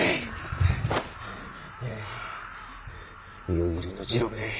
夜霧ノ治郎兵衛！